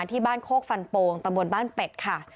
ที่บ้านโคกฟันโปงตำบลบ้านเป็ดค่ะ